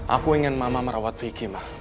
aku ingin mama merawat vicky